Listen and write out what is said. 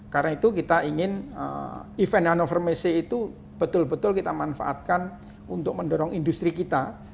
karena itu kita ingin event nano fermacy itu betul betul kita manfaatkan untuk mendorong industri kita